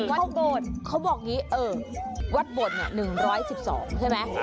วัดเขาบอกอย่างนี้วัดโบดเนี่ย๑๑๒ใช่ไหม